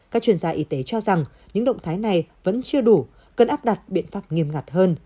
các chuyên gia y tế cho rằng những động thái này vẫn chưa đủ cần áp đặt biện pháp nghiêm ngặt hơn